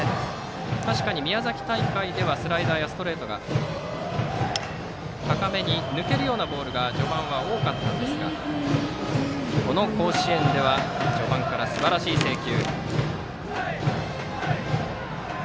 確かに宮崎大会ではスライダーやストレートが高めに抜けるようなボールが序盤は多かったんですがこの甲子園では序盤からすばらしい制球。